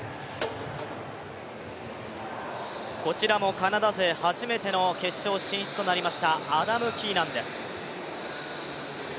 こちらもカナダ勢初めての決勝進出となりました、アダム・キーナンです。